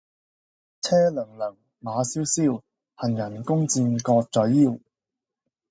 車轔轔，馬蕭蕭，行人弓箭各在腰。